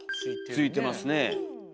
ついてますね。